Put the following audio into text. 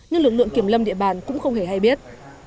nhưng lực lượng kiểm lâm địa bàn cũng không hề hay biết